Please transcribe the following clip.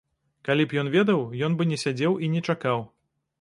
Калі б ён ведаў, ён бы не сядзеў і не чакаў.